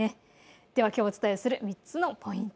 きょうお伝えする３つのポイント